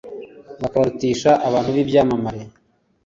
bakabarutisha abantu b ibyamamare